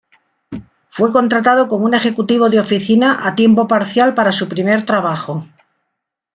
Fue contratado como un ejecutivo de oficina a tiempo parcial para su primer trabajo.